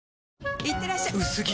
いってらっしゃ薄着！